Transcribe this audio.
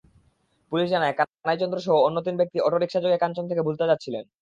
Police জানায়, কানাই চন্দ্রসহ অন্য তিন ব্যক্তি অটোরিকশাযোগে কাঞ্চন থেকে ভুলতা যাচ্ছিলেন।